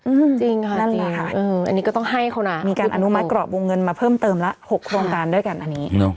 อืมจริงค่ะอืมอันนี้ก็ต้องให้เขาน่ะมีการอนุมัติกรอบวงเงินมาเพิ่มเติมละ๖โครงการด้วยกันอันนี้